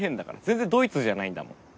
全然ドイツじゃないんだもん。